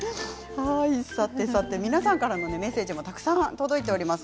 皆さんからのメッセージたくさん届いております。